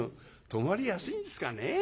泊まりやすいんですかねえ。